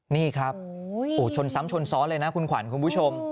นี่ครับชนซ้ำชนซ้อนเลยนะคุณขวัญคุณผู้ชม